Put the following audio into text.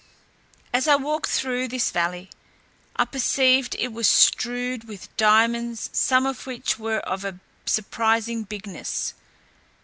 As I walked through this valley, I perceived it was strewed with diamonds, some of which were of a surprising bigness.